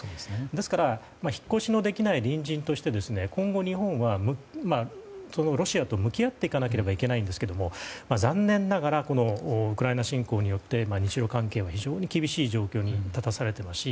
ですから引っ越しのできない隣人として今後、日本はロシアと向き合っていかないといけないんですが残念ながらウクライナ侵攻によって日ロ関係が非常に厳しい状況に立たされてしまったし